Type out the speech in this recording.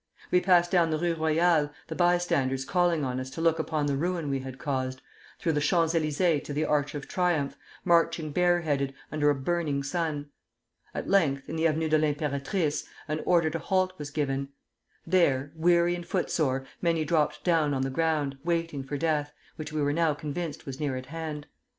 We passed down the Rue Royale, the bystanders calling on us to look upon the ruin we had caused, through the Champs Élysées to the Arch of Triumph, marching bare headed, under a burning sun. At length, in the Avenue de l'Impératrice, an order to halt was given. There, weary and footsore, many dropped down on the ground, waiting for death, which we were now convinced was near at hand.